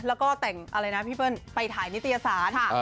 แล้วก็แต่งอะไรนะพี่เปิ้ลไปถ่ายนิตยศาสตร์